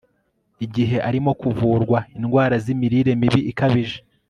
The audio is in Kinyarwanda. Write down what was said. igihe arimo kuvurwa indwara z'imirire mibi ikabije